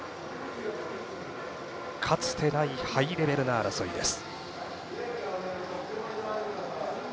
かつてないハイレベルな争いです。